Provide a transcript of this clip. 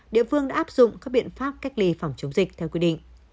địa phương đã áp dụng các biện pháp cách ly phòng chống dịch theo quy định